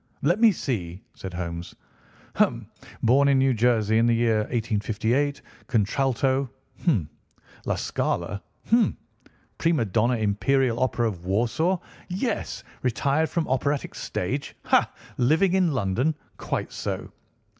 "Let me see!" said Holmes. "Hum! Born in New Jersey in the year 1858. Contralto—hum! La Scala, hum! Prima donna Imperial Opera of Warsaw—yes! Retired from operatic stage—ha! Living in London—quite so!